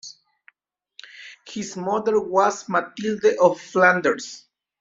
His mother was Mathilde of Flanders.